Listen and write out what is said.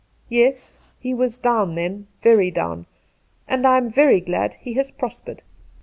' Yes, he was down then — very down ; and I am very glad he has prospered.